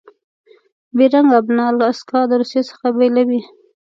بیرنګ آبنا الاسکا د روسي څخه بیلوي.